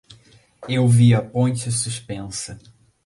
Eu vi a ponte suspensa.